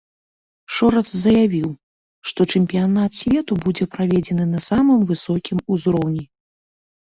Шорац заявіў, што чэмпіянат свету будзе праведзены на самым высокім узроўні.